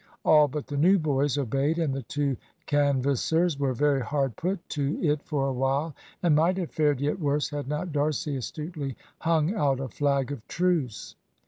All but the new boys obeyed, and the two "canvassers" were very hard put to it for a while, and might have fared yet worse, had not D'Arcy astutely hung out a flag of truce.